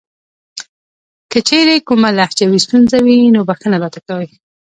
کچېرې کومه لهجوي ستونزه وي نو بښنه راته کوئ .